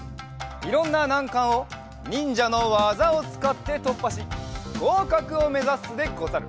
いろんななんかんをにんじゃのわざをつかってとっぱしごうかくをめざすでござる。